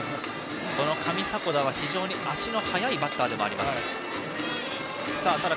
上迫田は非常に足の速いバッターです。